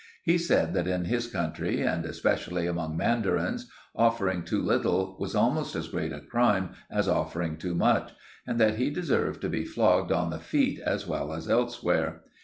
He said that in his country, and especially among mandarins, offering too little was almost as great a crime as offering too much, and that he deserved to be flogged on the feet as well as elsewhere.